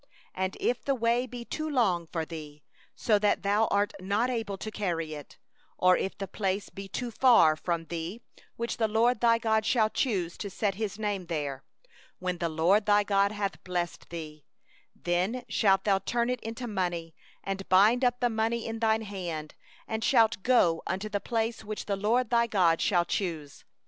24And if the way be too long for thee, so that thou art not able to carry it, because the place is too far from thee, which the LORD thy God shall choose to set His name there, when the LORD thy God shall bless thee; 25then shalt thou turn it into money, and bind up the money in thy hand, and shalt go unto the place which the LORD thy God shall choose.